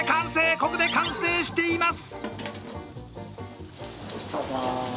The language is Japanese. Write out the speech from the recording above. ここで完成しています。